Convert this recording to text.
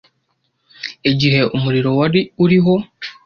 Igihe umuriro wari uriho